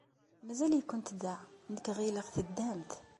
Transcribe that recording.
Mazal-ikent da? Nekk ɣileɣ teddamt.